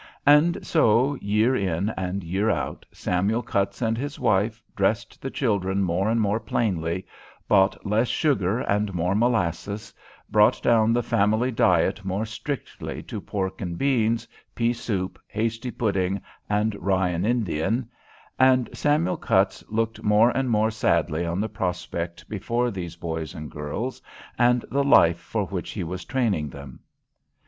And so, year in and year out, Samuel Cutts and his wife dressed the children more and more plainly, bought less sugar and more molasses, brought down the family diet more strictly to pork and beans, pea soup, hasty pudding, and rye and indian, and Samuel Cutts looked more and more sadly on the prospect before these boys and girls, and the life for which he was training them.